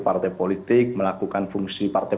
partai politik melakukan fungsi partai